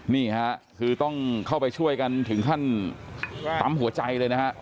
นี่ค่ะคือต้องเข้าไปช่วยกันถึงขั้นปั๊มหัวใจเลยนะฮะ